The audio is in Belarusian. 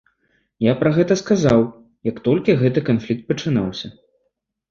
Я пра гэта сказаў, як толькі гэты канфлікт пачынаўся.